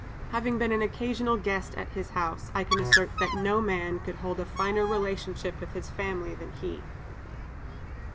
Having been an occasional guest at his house, I can assert that no man could hold a finer relationship with his family than he."